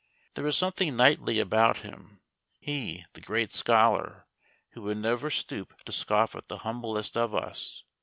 There was something knightly about him he, the great scholar, who would never stoop to scoff at the humblest of us.